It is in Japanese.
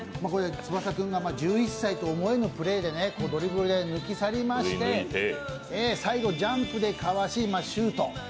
翼君が１１歳とは思えぬプレーでドリブルで抜き去りまして、最後ジャンプでかわし、シュート。